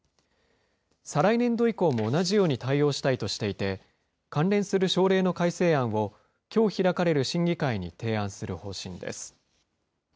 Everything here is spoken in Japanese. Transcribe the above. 再来年度以降も同じように対応したいとしていて、関連する省令の改正案をきょう開かれる審議会に提案する方針です。